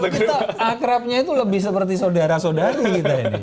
kita akrabnya itu lebih seperti saudara saudari kita ini